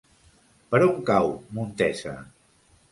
Per on cau Montesa?